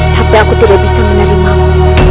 tapi aku tidak bisa menerimamu